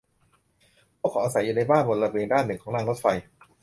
พวกเขาอาศัยอยู่ในบ้านบนระเบียงด้านหนึ่งของรางรถไฟ